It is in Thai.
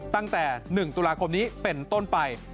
ตั้งแต่๑ตุลาคมนี้เป็นต้นไป